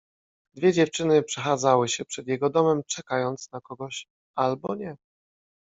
Dwie dziewczyny przechadzały się przed jego domem, czekając na kogoś albo nie.